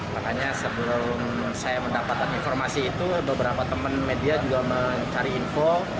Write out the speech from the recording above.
makanya sebelum saya mendapatkan informasi itu beberapa teman media juga mencari info